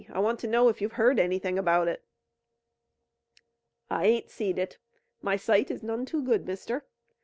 I want to know if you've heard anything about it." "I ain't seed it. My sight's none too good, mister.